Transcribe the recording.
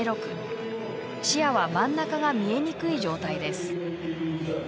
視野は真ん中が見えにくい状態です。